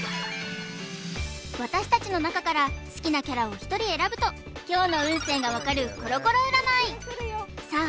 私たちの中から好きなキャラを１人選ぶと今日の運勢が分かるコロコロ占いさあ